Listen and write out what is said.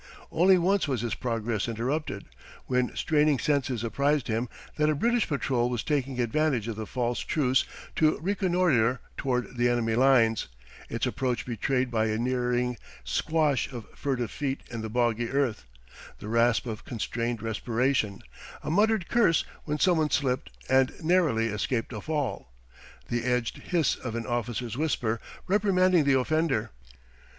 Only once was his progress interrupted when straining senses apprised him that a British patrol was taking advantage of the false truce to reconnoitre toward the enemy lines, its approach betrayed by a nearing squash of furtive feet in the boggy earth, the rasp of constrained respiration, a muttered curse when someone slipped and narrowly escaped a fall, the edged hiss of an officer's whisper reprimanding the offender.